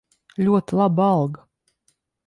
Ļoti laba alga.